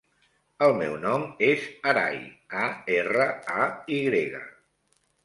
El meu nom és Aray: a, erra, a, i grega.